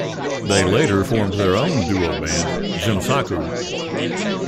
They later formed their own duo-band, Jimsaku.